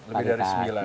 lebih dari sembilan